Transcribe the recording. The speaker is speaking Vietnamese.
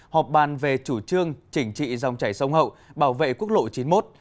họp bàn về chủ trương chỉnh trị dòng chảy sông hậu bảo vệ quốc lộ chín mươi một